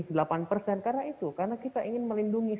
karena itu karena kita ingin melindungi